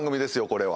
これは。